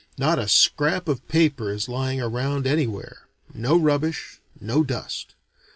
Not a scrap of paper is lying around anywhere: no rubbish, no dust.